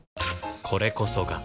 これこそが